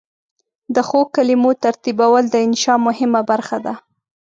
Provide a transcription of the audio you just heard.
د ښو کلمو ترتیبول د انشأ مهمه برخه ده.